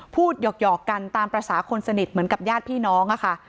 หยอกกันตามภาษาคนสนิทเหมือนกับญาติพี่น้องค่ะ